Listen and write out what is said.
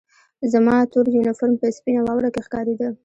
زما تور یونیفورم په سپینه واوره کې ښکارېده